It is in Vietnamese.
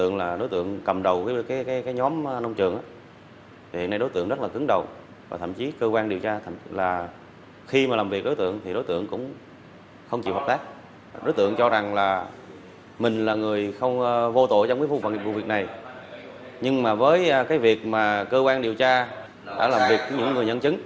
nhưng mà với cái việc mà cơ quan điều tra đã làm việc với những người nhận chứng